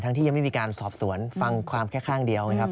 ทั้งที่ยังไม่มีการสอบสวนฟังความแค่ข้างเดียว